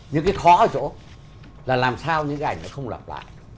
những cái khó ở chỗ là làm sao những cái ảnh nó không lặp lại